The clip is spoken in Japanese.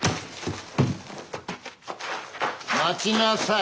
待ちなさい！